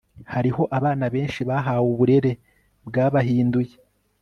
Hariho abana benshi bahawe uburere bwabahinduye